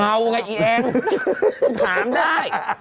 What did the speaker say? เมาไงอีแอถามได้